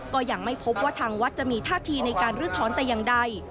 ก็ยังไม่พบว่าทางวัดจะมีท่าทีในการลื้อถอนแต่อย่างใด